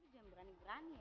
sisi berani berani ya